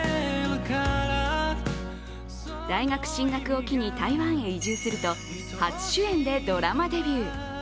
大学進学を機に台湾へ移住すると初主演でドラマデビュー。